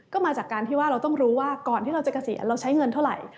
ก็มาจากการที่ว่าเราต้องรู้ว่าก่อนที่เราจะเกษียณเราใช้เงินเท่าไหร่